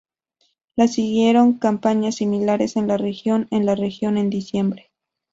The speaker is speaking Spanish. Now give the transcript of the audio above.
Le siguieron campañas similares en la región en la región en diciembre.